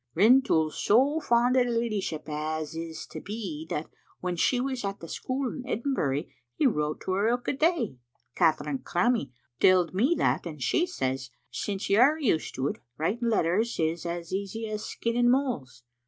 Rintoul's so fond o' the leddyship 'at is to be, that when she was at the school in Edinbury he wrote to her ilka day. Kaytherine Crummie telled me that, and she says aince you're used to it, writing let ters is as easy as skinning moles.